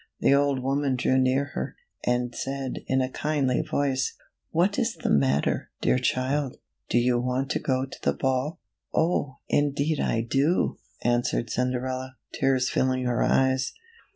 The old woman drew near her, and said in a kindly voice, " What is the matter, dear child ? Do you want to go to the ball ?"" Oh, indeed I do !" answered Cinderella, tears filling her eyes.